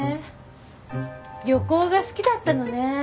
旅行が好きだったのね。